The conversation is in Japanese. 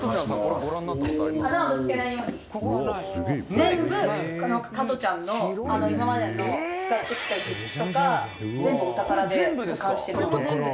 「全部、加トちゃんの今までの使ってきたグッズとか全部、お宝で保管してるんで」